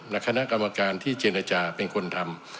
และคณะกรรมการที่เจรจาเป็นคนทำ